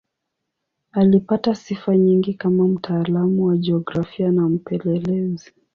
Alipata sifa nyingi kama mtaalamu wa jiografia na mpelelezi.